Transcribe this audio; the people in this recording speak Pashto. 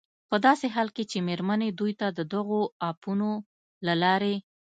په داسې حال کې چې مېرمنې دوی ته د دغو اپونو له لارې